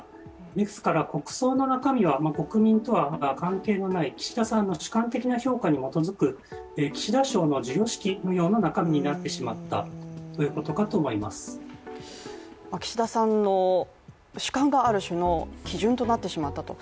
ですから国葬の中身は、国民とは関係のない岸田さんの主観的評価に基づく岸田賞の授与式のような中身になってしまったということかと思います岸田さんの主観がある種の基準となってしまっていると。